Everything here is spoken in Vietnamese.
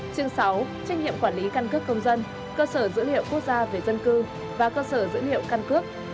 chương sáu trách nhiệm quản lý căn cước công dân cơ sở dữ liệu quốc gia về dân cư và cơ sở dữ liệu căn cước